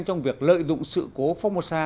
trong việc lợi dụng sự cố phong mô sa